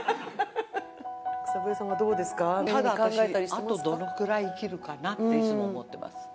あとどのくらい生きるかなっていつも思ってます